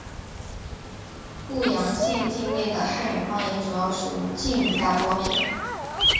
固阳县境内的汉语方言主要属于晋语大包片。